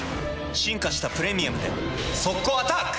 進化した「プレミアム」で速攻アタック！